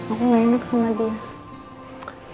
aku gak enak sama dia